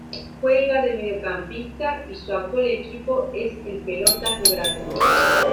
Juega de Mediocampista y su actual equipo es el Pelotas de Brasil.